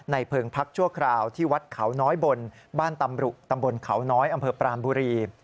เพิงพักชั่วคราวที่วัดเขาน้อยบนบ้านตำรุตำบลเขาน้อยอำเภอปรามบุรี